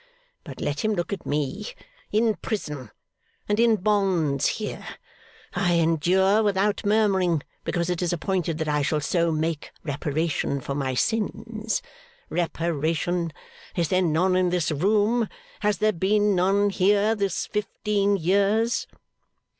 But let him look at me, in prison, and in bonds here. I endure without murmuring, because it is appointed that I shall so make reparation for my sins. Reparation! Is there none in this room? Has there been none here this fifteen years?